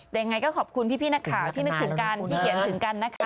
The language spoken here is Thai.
แต่ยังไงก็ขอบคุณพี่นะคะที่เขียนถึงกันที่เขียนถึงกันนะคะ